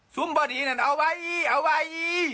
ซุ่มเบอร์ดดีนั่นเอาไว้เอาไว้